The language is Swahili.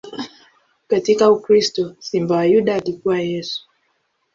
Katika ukristo, Simba wa Yuda alikuwa Yesu.